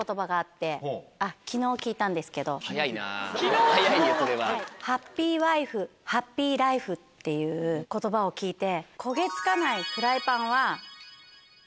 早いな早いよそれは。っていう言葉を聞いて。